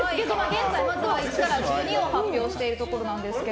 現在、まずは１から１２を発表しているところなんですが。